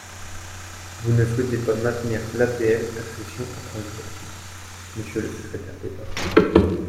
Vous ne souhaitez pas maintenir l’APL accession en première lecture, monsieur le secrétaire d’État.